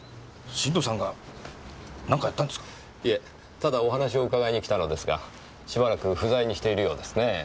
いえただお話を伺いに来たのですがしばらく不在にしているようですねぇ。